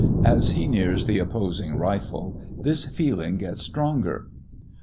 As he nears the opposing rifle, this feeling gets stronger.